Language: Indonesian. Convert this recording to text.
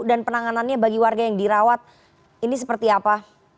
dan penanganannya bagi warga yang dirawat ini seperti apa